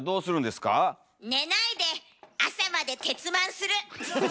寝ないで朝まで徹マンする！